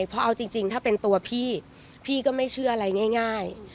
เพราะเอาจริงถ้าเป็นตัวพี่พี่ก็ไม่เชื่ออะไรง่าย